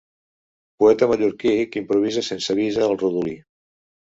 Poeta mallorquí que improvisa sense visa el rodolí.